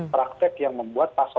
praktek yang membuat pasokan